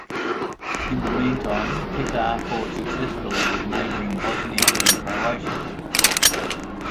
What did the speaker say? In the meantime, Petar fought successfully with neighbouring Bosnia and Croatia.